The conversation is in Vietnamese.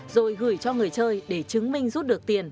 rồi gửi cho người chơi để chứng minh rút được tiền